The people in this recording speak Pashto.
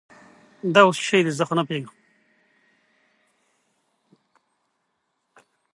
افغانستان کې د بولان پټي د هنر په اثار کې منعکس کېږي.